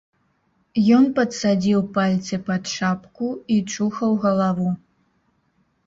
Ён падсадзіў пальцы пад шапку і чухаў галаву.